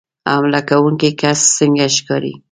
حمله کوونکی کس څنګه ښکاري